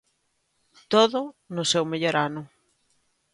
Todo no seu mellor ano.